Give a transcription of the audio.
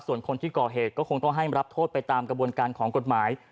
ส่วนคนที่ก่อเหตุก็คงต้องให้รับโทษไปตามกระบวนการของกฎหมาย